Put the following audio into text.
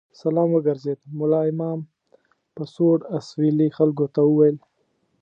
سلام وګرځېد، ملا امام په سوړ اسوېلي خلکو ته وویل.